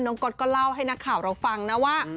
ก๊อตก็เล่าให้นักข่าวเราฟังนะว่า